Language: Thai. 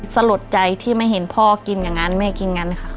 สะหรับใจที่ไม่เห็นพ่อกินอย่างงานแม่กินอย่างงาน